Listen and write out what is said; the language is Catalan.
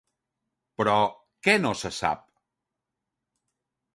Però, què no se sap?